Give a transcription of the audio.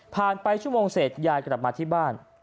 ไปชั่วโมงเสร็จยายกลับมาที่บ้าน